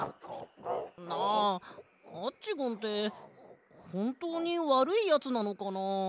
なあアッチゴンってほんとうにわるいやつなのかな？